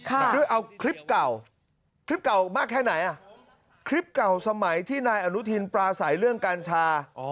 ด้วยเอาคลิปเก่าคลิปเก่ามากแค่ไหนอ่ะคลิปเก่าสมัยที่นายอนุทินปราศัยเรื่องกัญชา